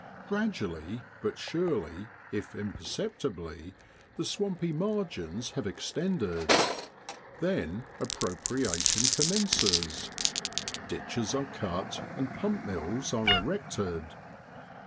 Gradually, but surely, if imperceptibly, the swampy margins have ex tended. Then appropriation commences. Ditches are cut, and pump mills are erected.